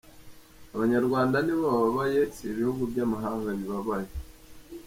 Abanyarwanda nibo bababaye si ibihugu by’amahanga bibabaye.